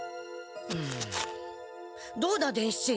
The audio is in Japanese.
うんどうだ伝七。